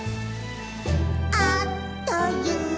「あっという間に」